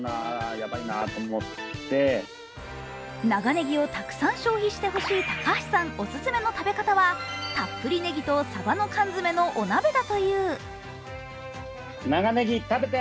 長ねぎをたくさん消費してほしい高橋さんオススメの食べ方はたっぷりねぎとサバの缶詰のお鍋だという。